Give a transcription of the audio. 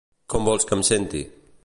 Com vols que em senti?